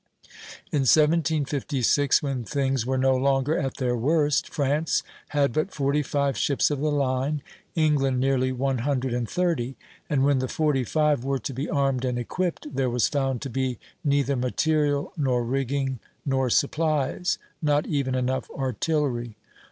In 1756, when things were no longer at their worst, France had but forty five ships of the line, England nearly one hundred and thirty; and when the forty five were to be armed and equipped, there was found to be neither material nor rigging nor supplies; not even enough artillery.